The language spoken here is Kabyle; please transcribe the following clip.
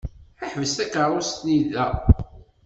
Ḥbes takeṛṛust-nni da.